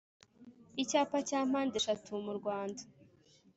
icyapa cya mpandeshatu mu rwanda